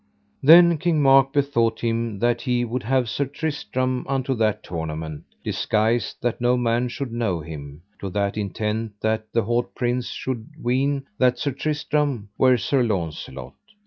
Then King Mark bethought him that he would have Sir Tristram unto that tournament disguised that no man should know him, to that intent that the haut prince should ween that Sir Tristram were Sir Launcelot.